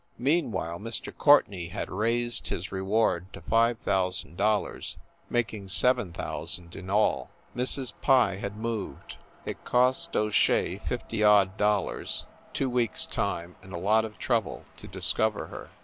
Meanwhile, Mr. Courtenay had raised his reward to five thousand dollars, making seven thousand in all. Mrs. Pye had moved. It cost O Shea fifty odd dollars, two weeks time and a lot of trouble to dis cover her.